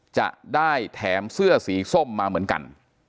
จะได้แถมเสื้อสีส้มมาเหมือนกัน